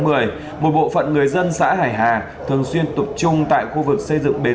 một bộ phận người dân xã hải hà thường xuyên tục trung tại khu vực xây dựng bến